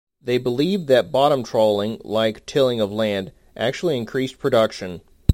They believed that bottom trawling, like tilling of land, actually increased production.